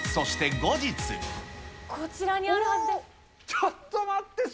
こちらにあるはずです。